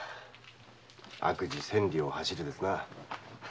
「悪事千里を走る」ですな。